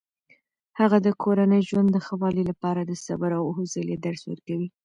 هغه د کورني ژوند د ښه والي لپاره د صبر او حوصلې درس ورکوي.